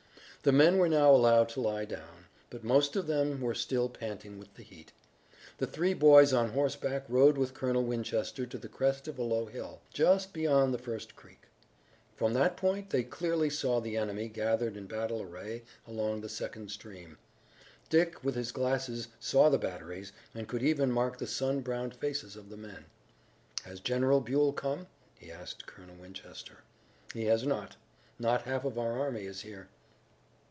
The men were now allowed to lie down, but most of them were still panting with the heat. The three boys on horseback rode with Colonel Winchester to the crest of a low hill, just beyond the first creek. From that point they clearly saw the enemy gathered in battle array along the second stream. Dick, with his glasses, saw the batteries, and could even mark the sun browned faces of the men. "Has General Buell come?" he asked Colonel Winchester. "He has not. Not half of our army is here."